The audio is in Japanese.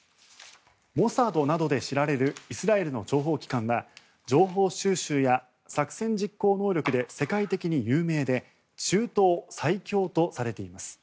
モサドなどで知られるイスラエルの諜報機関は情報収集や作戦実行能力で世界的に有名で中東最強とされています。